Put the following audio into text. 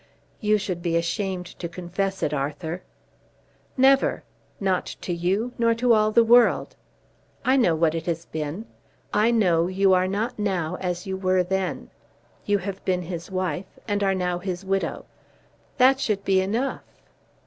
"You should be ashamed to confess it, Arthur." "Never; not to you, nor to all the world. I know what it has been. I know you are not now as you were then. You have been his wife, and are now his widow." "That should be enough."